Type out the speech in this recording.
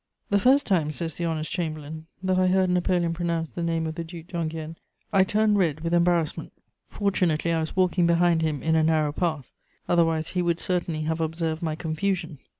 * "The first time," says the honest chamberlain, "that I heard Napoleon pronounce the name of the Duc d'Enghien, I turned red with embarrassment. Fortunately I was walking behind him in a narrow path; otherwise, he would certainly have observed my confusion.